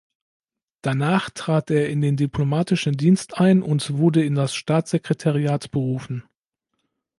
Danach trat er in den diplomatischen Dienst ein und wurde in das Staatssekretariat berufen.